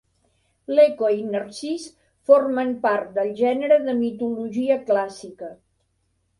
L'Eco i Narcís formen part del gènere de mitologia clàssica.